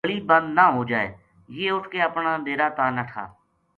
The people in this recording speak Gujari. گلی بند نہ ہو جائے یہ اُٹھ کے اپنا ڈیرا تا نٹھا